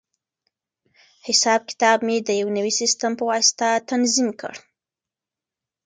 حساب کتاب مې د یوې نوې سیسټم په واسطه تنظیم کړ.